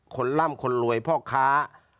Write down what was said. ล่ำคนรวยพ่อค้า